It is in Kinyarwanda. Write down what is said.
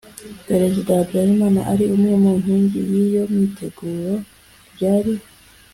perezida habyarimana ari imwe mu nkingi y iyo myiteguro ryari